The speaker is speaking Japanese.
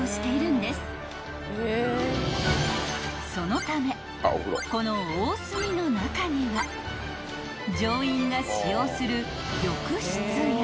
［そのためこのおおすみの中には乗員が使用する浴室や］